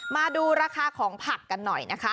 มาดูราคาของผักกันหน่อยนะคะ